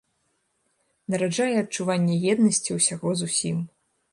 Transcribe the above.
Нараджае адчуванне еднасці ўсяго з усім.